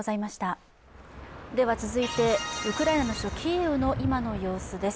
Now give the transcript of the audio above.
続いて、ウクライナの首都キーウの今の様子です。